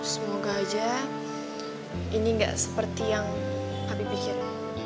semoga aja ini gak seperti yang papi pikir